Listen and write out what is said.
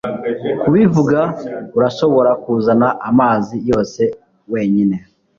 kubivuga, urashobora kuzana amazi yose wenyine